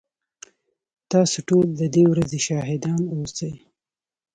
تاسو ټول ددې ورځي شاهدان اوسئ